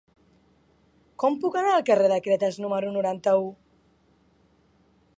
Com puc anar al carrer de Cretes número noranta-u?